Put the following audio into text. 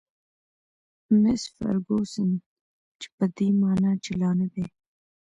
میس فرګوسن: 'pan encore' چې په دې مانا چې لا نه دي.